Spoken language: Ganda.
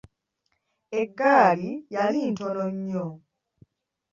Egaali yali ntono nnyo.